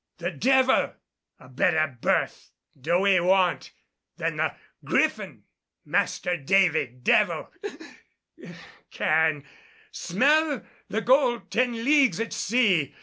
The devil a better berth do we want than the Griffin. Master Davy Devil hic can smell the gold ten leagues at sea.